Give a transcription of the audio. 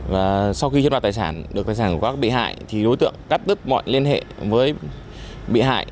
và sau khi chiếm đoạt tài sản được tài sản của các bị hại thì đối tượng cắt đứt mọi liên hệ với bị hại